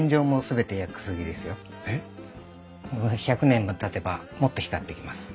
１００年もたてばもっと光ってきます。